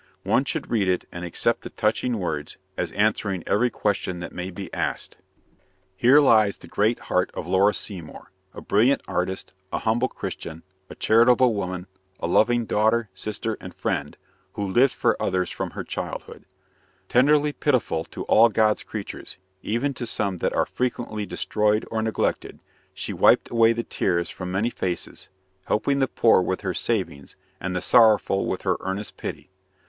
One should read it and accept the touching words as answering every question that may be asked: Here lies the great heart of Laura Seymour, a brilliant artist, a humble Christian, a charitable woman, a loving daughter, sister, and friend, who lived for others from her childhood. Tenderly pitiful to all God's creatures even to some that are frequently destroyed or neglected she wiped away the tears from many faces, helping the poor with her savings and the sorrowful with her earnest pity.